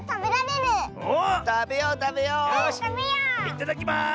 いただきます！